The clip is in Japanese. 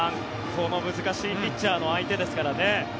この難しいピッチャーの相手ですからね。